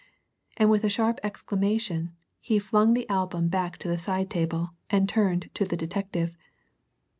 And with a sharp exclamation, he flung the album back to the side table, and turned to the detective.